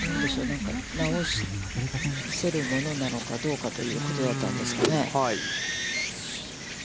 何か直せるものなのかどうかということだったんですかね。